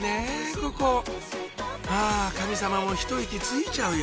ここはぁ神様もひと息ついちゃうよ